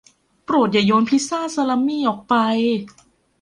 โปรดอย่าโยนพิซซ่าซาลามี่ออกไป